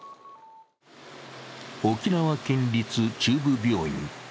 沖縄県立中部病院。